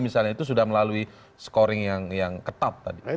misalnya itu sudah melalui scoring yang ketat tadi